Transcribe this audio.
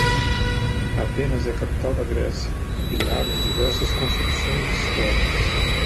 Atenas é a capital da Grécia e lar de diversas construções históricas